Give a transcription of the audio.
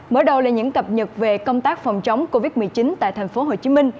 mở đầu là những cập nhật về công tác phòng chống covid một mươi chín tại tp hcm